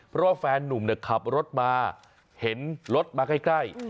เพราะว่าแฟนนุ่มขับรถมาเห็นรถมาใกล้